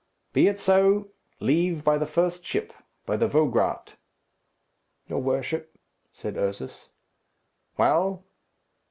"Be it so. Leave by the first ship by the Vograat." "Your worship," said Ursus. "Well?"